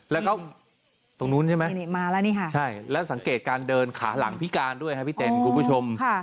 แล้วก็ตรงนู้นใช่ไหมมาแล้วนี่ค่ะใช่แล้วสังเกตการเดินขาหลังพิการด้วยครับพี่เต้นคุณผู้ชม